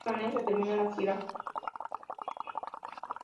De esta manera se termina la gira.